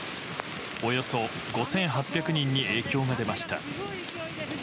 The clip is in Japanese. およそ５８００人に影響が出ました。